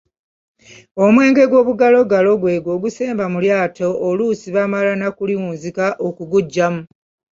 Omwenge ogw'obugalogalo gw'egwo ogusemba mu lyato oluusi bamala na kuliwunzika okuguggyamu.